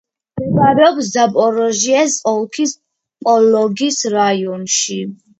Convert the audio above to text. მდებარეობს ზაპოროჟიეს ოლქის პოლოგის რაიონში.